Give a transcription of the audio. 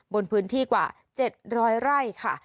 บนพื้นที่กว่า๗๐๐ไร่ค่ะ